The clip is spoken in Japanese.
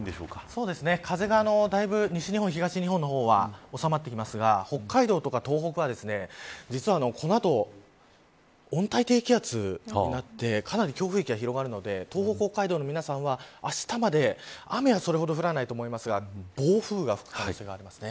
そうですね、風が西日本などは収まってきますが北海道や東北はこの後、温帯低気圧になってかなり強風域が広がるので東北、北海道の皆さんはあしたまで雨はそれほど降らないと思いますが暴風が吹く可能性があります。